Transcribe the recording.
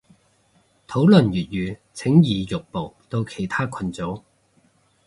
討論粵語請移玉步到其他群組